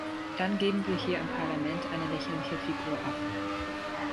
Dann gäben wir hier im Parlament eine lächerliche Figur ab.